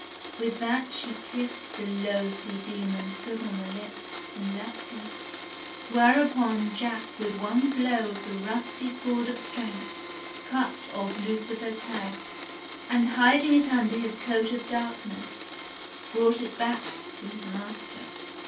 With that she kissed the loathly demon full on the lips, and left him. Whereupon Jack with one blow of the rusty sword of strength, cut off Lucifer's head and, hiding it under his coat of darkness, brought it back to his master.